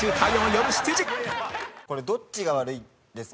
これどっちが悪いですか？